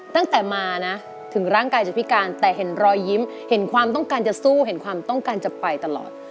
ตั้งแต่มานะถึงร่างกายจะพิการแต่เห็นรอยยิ้มเห็นความต้องการจะสู้เห็นความต้องการจะไปตลอด